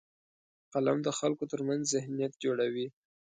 قلم د خلکو ترمنځ ذهنیت جوړوي